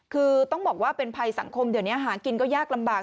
คือต้องบอกว่าเป็นภัยสังคมเดี๋ยวนี้หากินก็ยากลำบาก